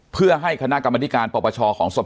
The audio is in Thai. เพื่อให้คณะกรมนิธิการประชอของ